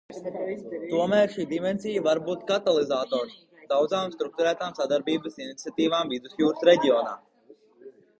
Tomēr šī dimensija var būt katalizators daudzām strukturētām sadarbības iniciatīvām Vidusjūras reģionā.